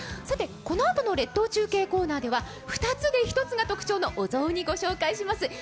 このあとの列島中継コーナーでは２つで１つが特徴のお雑煮を御紹介します。